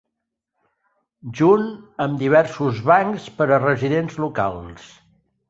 Junt amb diversos bancs per a residents locals.